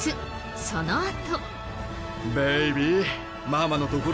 そのあと。